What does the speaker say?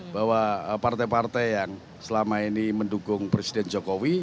bahwa partai partai yang selama ini mendukung presiden jokowi